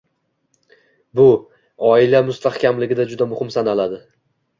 Bu, oila mustahkamligida juda muhim sanaladi.